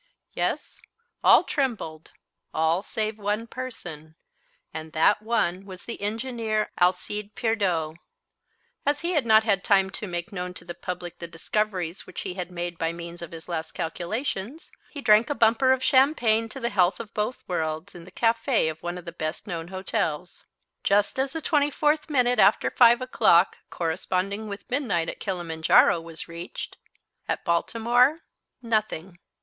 Yes, all trembled, all save one person, and that one was the engineer Alcide Pierdeux. As he had not had time to make known to the public the discoveries which he had made by means of his last calculations, he drank a bumper of champagne to the health of both worlds in the café of one of the best known hotels. Just as the twenty fourth minute after 5 o'clock, corresponding with midnight at Kilimanjaro, was reached At Baltimore, nothing.